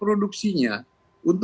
itu jualan dari rp satu